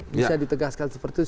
bisa ditegaskan seperti itu